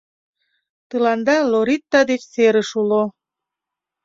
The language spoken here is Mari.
Тыланда Лоритта деч серыш уло.